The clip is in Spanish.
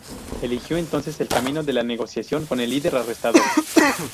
Eligió entonces el camino de la negociación con el líder arrestado.